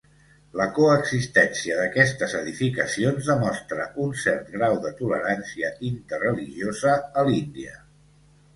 La coexistència d'aquestes edificacions demostra un cert grau de tolerància interreligiosa a l'Índia.